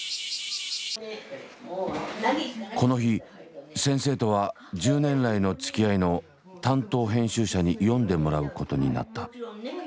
この日先生とは１０年来のつきあいの担当編集者に読んでもらうことになった。